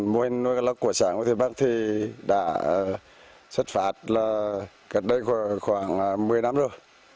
mô hình nuôi cá lóc của xã ngư thủy bắc thì đã xuất phạt khoảng một mươi năm rồi